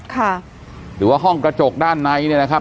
หรือว่าห้องกระจกด้านในเนี่ยนะครับ